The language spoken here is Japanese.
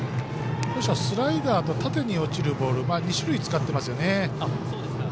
スライダーと縦に落ちるボール２種類使っていますよね。